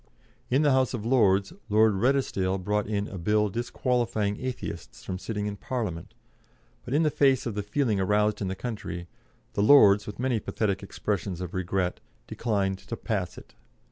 In the House of Lords, Lord Redesdale brought in a Bill disqualifying Atheists from sitting in Parliament, but in face of the feeling aroused in the country, the Lords, with many pathetic expressions of regret, declined to pass it.